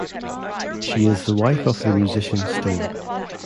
She is the wife of the musician Sting.